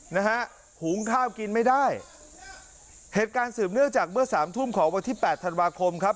นะฮะหุงข้าวกินไม่ได้เหตุการณ์สืบเนื่องจากเมื่อสามทุ่มของวันที่แปดธันวาคมครับ